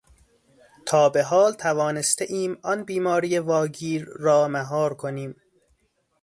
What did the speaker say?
تا به حال توانستهایم آن بیماری واگیر را مهار کنیم.